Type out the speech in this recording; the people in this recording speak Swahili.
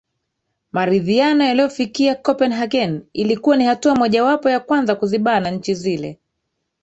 maridhiano yaliofikia copen hagen ilikuwa ni hatua moja wapo ya kwanza kuzibana nchi zile